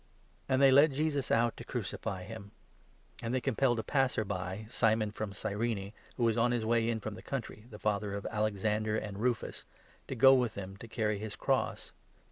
The And they led Jesus out to crucify him ; and 21 crucifixion they compelled a passer by, Simon from Cyrene, of Jesus. Wh0 was on nis way m from the country, the father of Alexander and Rufus to go with them to carry his cross.